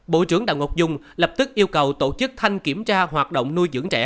bộ trưởng đào ngọc dung lập tức yêu cầu tổ chức thanh kiểm tra hoạt động nuôi dưỡng trẻ